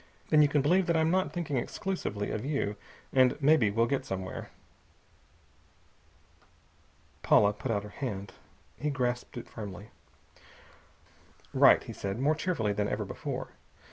"Then you can believe that I'm not thinking exclusively of you, and maybe we'll get somewhere." Paula put out her hand. He grasped it firmly. "Right!" he said, more cheerfully than ever before.